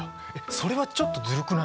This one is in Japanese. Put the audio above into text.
それはちょっとずるくない？